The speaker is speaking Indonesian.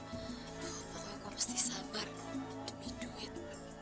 pokoknya gue mesti sabar demi duit